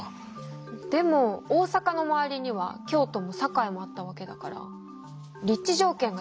でも大坂の周りには京都も堺もあったわけだから立地条件が違いすぎます！